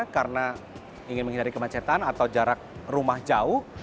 karena ingin menghindari kemacetan atau jarak rumah jauh